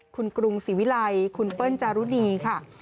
คุณกรุงศรีวิลัยคุณเปิ้ลจารุณีค่ะ